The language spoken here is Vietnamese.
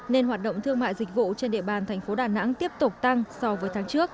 nên hoạt động thương mại dịch vụ trên địa bàn thành phố đà nẵng tiếp tục tăng so với tháng trước